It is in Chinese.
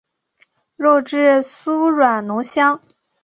肉质酥软浓香。